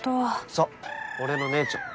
そう俺の姉ちゃん。